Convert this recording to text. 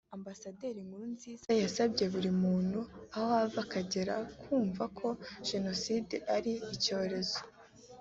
Ambasaderi Nkurunziza yasabye buri muntu aho ava akagera kumva ko Jenoside ari icyorezo